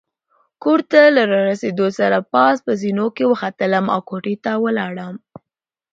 کور ته له راستنېدو سره پاس په زینو کې وختلم او کوټې ته ولاړم.